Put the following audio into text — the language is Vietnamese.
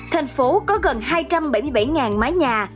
thành phố có gần hai trăm bảy mươi bảy mái nhà